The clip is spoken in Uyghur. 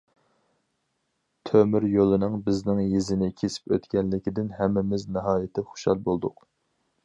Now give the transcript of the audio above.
تۆمۈريولنىڭ بىزنىڭ يېزىنى كېسىپ ئۆتكەنلىكىدىن ھەممىمىز ناھايىتى خۇشال بولدۇق.